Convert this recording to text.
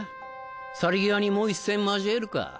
去り際にもう一戦交えるか。